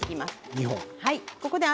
２本。